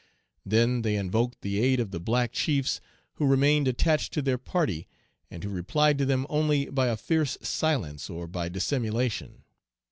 Then they invoked the aid of the black chiefs who remained attached to their party, and who replied to them only by a fierce silence or by dissimulation.